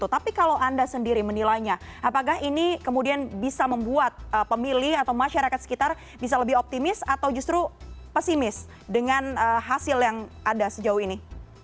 tapi kalau anda sendiri menilainya apakah ini kemudian bisa membuat pemilih atau masyarakat sekitar bisa lebih optimis atau justru pesimis dengan hasil yang ada sejauh ini